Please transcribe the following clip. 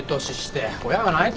親が泣いてるぞ。